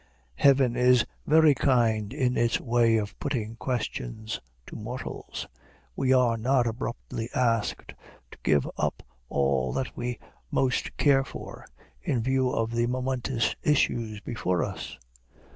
Heaven is very kind in its way of putting questions to mortals. We are not abruptly asked to give up all that we most care for, in view of the momentous issues before us.